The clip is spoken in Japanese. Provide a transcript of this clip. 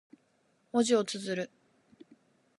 文字を綴る。